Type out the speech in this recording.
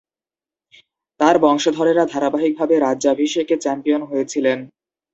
তাঁর বংশধরেরা ধারাবাহিকভাবে রাজ্যাভিষেকে চ্যাম্পিয়ন হয়েছিলেন।